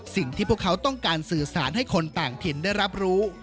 สิ่งที่พวกเขาต้องการสื่อสารให้คนต่างถิ่นได้รับรู้